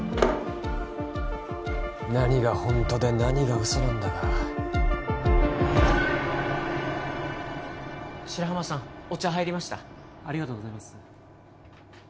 何がホントで何がウソなんだか白浜さんお茶はいりましたありがとうございます